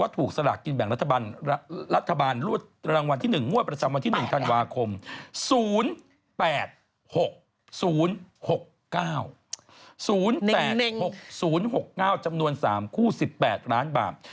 ทุกสลักทีแบ่งรัฐบาล